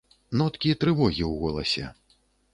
Ноткі трывогі ў голасе.